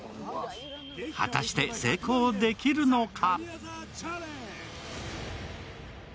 果たして成功できるのか。